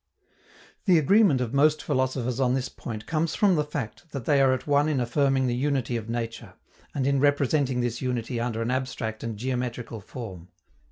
The agreement of most philosophers on this point comes from the fact that they are at one in affirming the unity of nature, and in representing this unity under an abstract and geometrical form.